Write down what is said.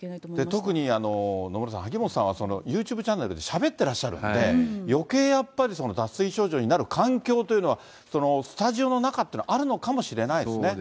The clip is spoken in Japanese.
特に野村さん、萩本さんはユーチューブチャンネルでしゃべってらっしゃるんで、よけいやっぱり、脱水症状になる環境というのは、スタジオの中というのはあるのかもしそうですね。